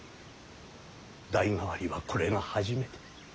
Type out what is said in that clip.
代替わりはこれが初めて。